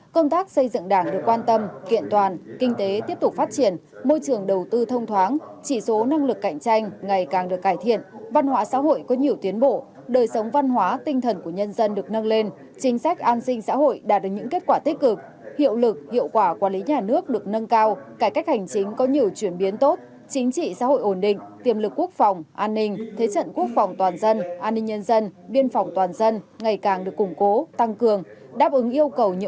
công tác xây dựng đảng được quan tâm kiện toàn kinh tế tiếp tục phát triển môi trường đầu tư thông thoáng chỉ số năng lực cạnh tranh ngày càng được cải thiện văn hóa xã hội có nhiều tiến bộ đời sống văn hóa tinh thần của nhân dân được nâng lên chính sách an sinh xã hội đạt được những kết quả tích cực hiệu lực hiệu quả quản lý nhà nước được nâng cao cải cách hành chính có nhiều chuyển biến tốt chính trị xã hội ổn định tiềm lực quốc phòng an ninh thế trận quốc phòng toàn dân an ninh nhân dân biên phòng toàn dân ngày c